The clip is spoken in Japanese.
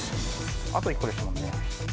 あと１個ですもんね。